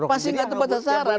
pasti gak tempat sasaran